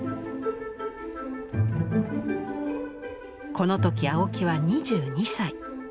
この時青木は２２歳。